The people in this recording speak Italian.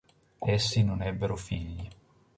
Essi non ebbero figli.